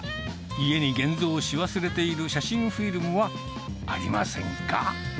家に現像し忘れている写真フィルムはありませんか？